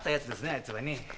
あいつはね。